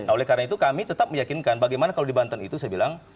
oleh karena itu kami tetap meyakinkan bagaimana kalau di banten itu saya bilang